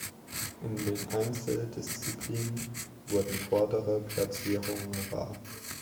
In den Einzeldisziplinen wurden vordere Platzierungen rahr.